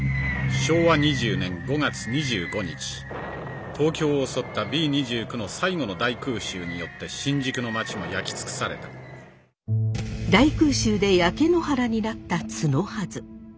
昭和２０年５月２５日東京を襲ったＢ２９の最後の大空襲によって新宿のまちは焼き尽くされた大空襲で焼け野原になった角筈。